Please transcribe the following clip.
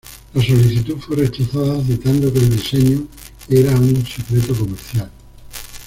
La solicitud fue rechazada, citando que el diseño era un secreto comercial.